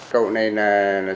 cậu này là